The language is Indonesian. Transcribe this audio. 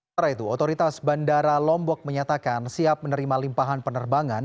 setelah itu otoritas bandara lombok menyatakan siap menerima limpahan penerbangan